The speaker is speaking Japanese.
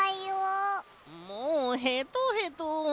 もうへとへと。